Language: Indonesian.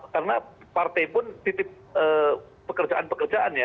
karena partai pun titip pekerjaan pekerjaan ya